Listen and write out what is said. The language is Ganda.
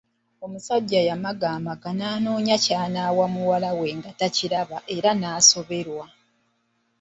Omusajja yamagaamaga anoonye ky’anaawa muwala we nga takiraba era n’asoberwa.